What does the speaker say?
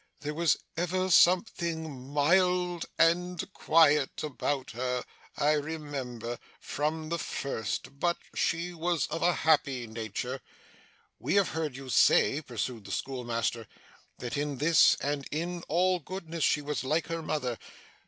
'There was ever something mild and quiet about her, I remember, from the first; but she was of a happy nature.' 'We have heard you say,' pursued the schoolmaster, 'that in this and in all goodness, she was like her mother.